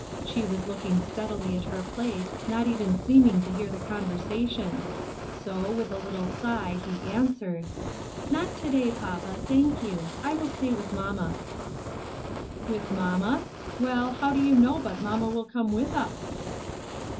She was looking steadily at her plate, not even seeming to hear the conversation ; so, with a little sigh, he answered :" Not to day, papa, thank you ; I will stay with mamma." " With mamma ? Well, how do you know but mamma will come with us